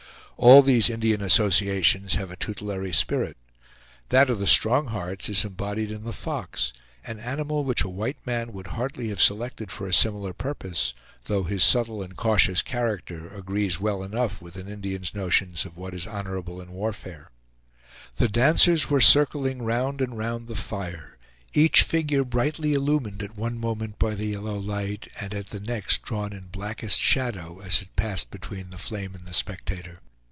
All these Indian associations have a tutelary spirit. That of the Strong Hearts is embodied in the fox, an animal which a white man would hardly have selected for a similar purpose, though his subtle and cautious character agrees well enough with an Indian's notions of what is honorable in warfare. The dancers were circling round and round the fire, each figure brightly illumined at one moment by the yellow light, and at the next drawn in blackest shadow as it passed between the flame and the spectator.